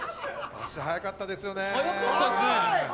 足、速かったですよね。